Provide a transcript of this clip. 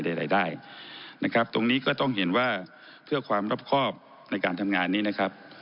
รายได้นะครับตรงนี้ก็ต้องเห็นว่าเพื่อความรอบครอบในการทำงานนี้นะครับ